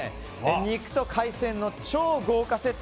肉と海鮮の超豪華セット。